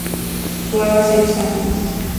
Pruebas y exámenes.